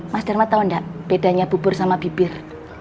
mas dharma tau gak bedanya bubur sama bibir